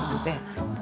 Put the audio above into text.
なるほど。